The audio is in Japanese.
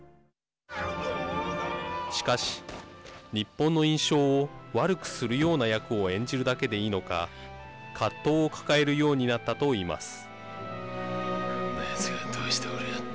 しかし日本の印象を悪くするような役を演じるだけでいいのか葛藤を抱えるようになったと言います。